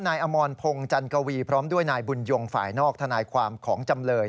นายอมรพงศ์จันกวีพร้อมด้วยนายบุญยงฝ่ายนอกทนายความของจำเลย